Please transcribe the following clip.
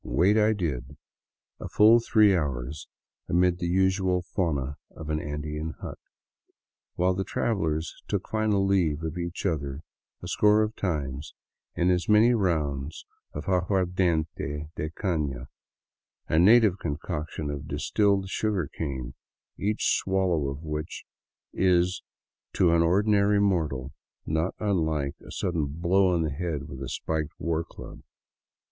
Wait I did, a full three hours, amid the usual fauna of an Andean hut, while the travelers took final leave of each other a score of times in as many rounds of aguardiente de cam, a native concoction of distilled sugarcane, each swallow of which is to an ordinary mortal not unlike a sudden blow on the head with a spiked war club.